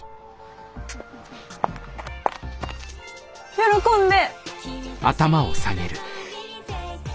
喜んで！